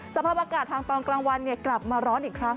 สภาพอากาศทางตอนกลางวันกลับมาร้อนอีกครั้ง